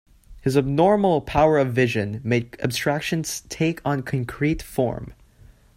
His abnormal power of vision made abstractions take on concrete form.